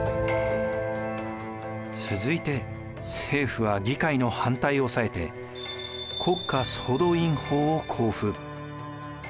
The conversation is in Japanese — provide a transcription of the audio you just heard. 続いて政府は議会の反対を抑えて国家総動員法を公布。